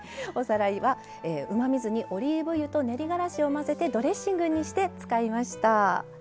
おさらいはうまみ酢にオリーブ油と練りがらしを混ぜてドレッシングにして使いました。